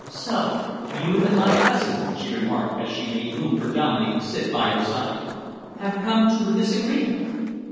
"So you and my cousin," she remarked, as she made room for Dominey to sit by her side, "have come to a disagreement."